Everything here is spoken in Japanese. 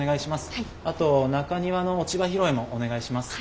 あと中庭の落ち葉拾いもお願いします。